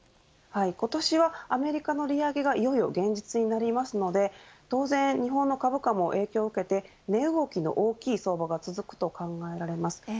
今年はアメリカの利上げがいよいよ現実になるので当然、日本の株価も影響を受けて値動きの大きい相場が続くと考えられます。